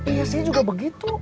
iya saya juga begitu